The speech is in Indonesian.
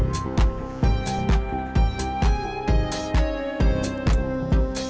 aku gak bisa nganter kamu ya